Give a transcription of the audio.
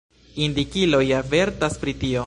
Indikiloj avertas pri tio.